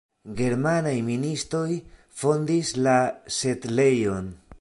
Germanaj ministo fondis la setlejon.